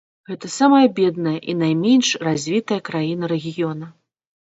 Гэта самая бедная і найменш развітая краіна рэгіёна.